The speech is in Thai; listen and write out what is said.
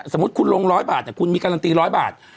สมมุติคุณลง๑๐๐บาทคุณมีการันตี๑๐๐บาท